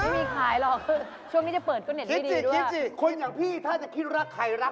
มันจะอยู่อย่างนี้เข้ามารัก